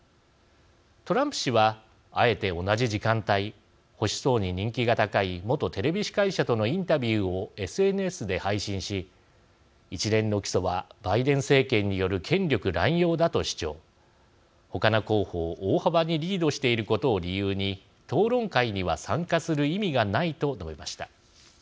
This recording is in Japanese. トランプ氏は、あえて同じ時間帯保守層に人気が高い元テレビ司会者とのインタビューをＳＮＳで配信し一連の起訴はバイデン政権による権力乱用だと主張他の候補を大幅にリードしていることを理由に討論会には参加する意味がないと述べました。